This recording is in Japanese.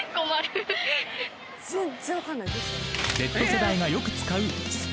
［Ｚ世代がよく使う］